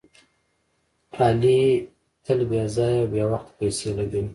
علي تل بې ځایه او بې وخته پیسې لګوي.